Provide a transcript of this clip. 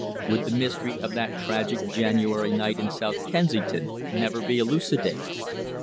Would the mystery of that tragic January night in South Kensington never be elucidated?